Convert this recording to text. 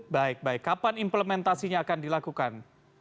baik baik kapan implementasinya akan dilakukan